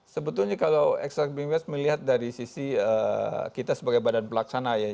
sebetulnya kalau exx melihat dari sisi kita sebagai badan pelaksana ya